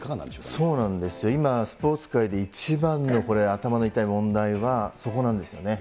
そうなんですよ、今、スポーツ界で、一番のこれ、頭の痛い問題は、そこなんですよね。